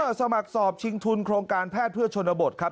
สมัครสอบชิงทุนโครงการแพทย์เพื่อชนบทครับ